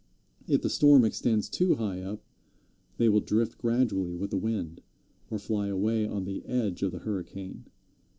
If the storm extends too high up they will drift gradually with the wind, or fly away on the edge of the hurricane.